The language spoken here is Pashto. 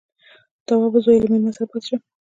_توابه زويه، له مېلمه سره پاتې شه.